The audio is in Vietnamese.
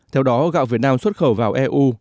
theo đó gạo việt nam xuất khẩu vào eu